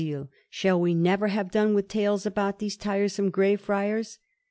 said Oisille, "shall we never have done with tales about these tiresome Grey Friars?"